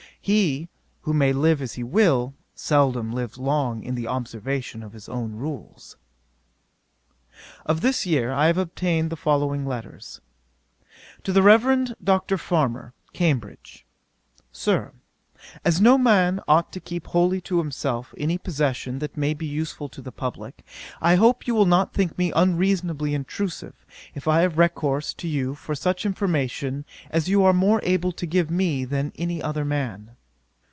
He who may live as he will, seldom lives long in the observation of his own rules.' Of this year I have obtained the following letters: 'To THE REVEREND DR. FARMER, CAMBRIDGE. 'SIR, 'As no man ought to keep wholly to himself any possession that may be useful to the publick, I hope you will not think me unreasonably intrusive, if I have recourse to you for such information as you are more able to give me than any other man.